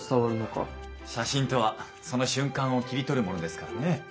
写真とはその瞬間を切り取るものですからね。